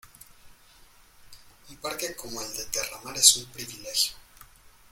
Un parque como el de Terramar es un privilegio.